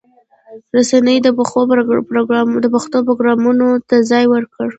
رسنۍ دې پښتو پروګرامونو ته ځای ورکړي.